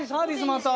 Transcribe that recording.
また。